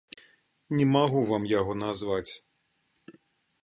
Не магу вам яго назваць.